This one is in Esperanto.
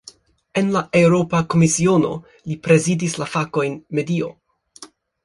En la Eŭropa Komisiono, li prezidis la fakojn "medio".